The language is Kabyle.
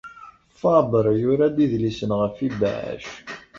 Fabre yura-d idlisen ɣef yibeɛɛac.